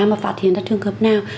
mà phát hiện ra trường hợp nào